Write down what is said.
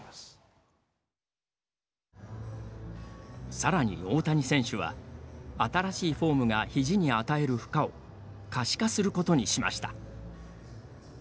さらに大谷選手は新しいフォームが肘に与える負荷を可視化することにしました。